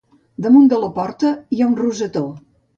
Damunt de la porta hi ha un rosetó.